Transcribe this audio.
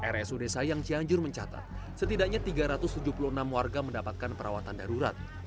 rsud sayang cianjur mencatat setidaknya tiga ratus tujuh puluh enam warga mendapatkan perawatan darurat